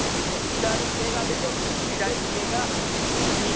左手が緑。